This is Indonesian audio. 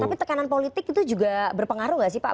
tapi tekanan politik itu juga berpengaruh nggak sih pak